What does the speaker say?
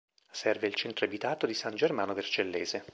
Serve il centro abitato di San Germano Vercellese.